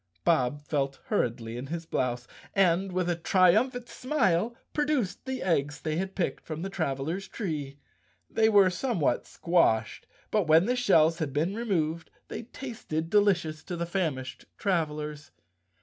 Bob felt hurriedly in his blouse and, with a tri¬ umphant smile, produced the eggs they had picked from the travelers' tree. They were somewhat squashed, but when the shells had been removed they tasted delicious to the famished travelers.